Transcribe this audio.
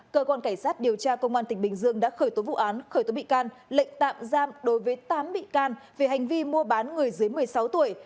cơ quan cảnh sát điều tra công an tỉnh bình dương đã khởi tố vụ án khởi tố bị can lệnh tạm giam đối với tám bị can về hành vi mua bán người dưới một mươi sáu tuổi